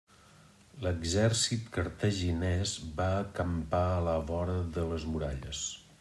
L'exèrcit cartaginès va acampar a la vora de les muralles.